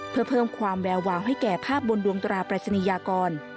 เพื่อเพิ่มความแวววาวให้แก่ภาพบนดวงตราปรายศนียากร